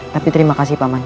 tapi terima kasih paman